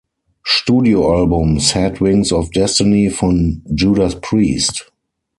Studioalbum Sad Wings Of Destiny von Judas Priest.